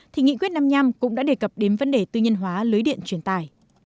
thì nghị quyết năm nhem cũng đã đề cập đến vấn đề tư nhân hóa lưới điện truyền tài